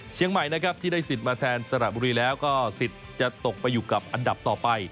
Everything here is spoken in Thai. เชียงใหม่ที่ได้ศิษย์มาแทนสระบุรีแล้วก็จะตกไปอยู่กับอันดับต่อไป